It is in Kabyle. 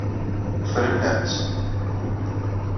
Ffren-am-tt.